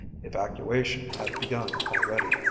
Evacuation had begun already.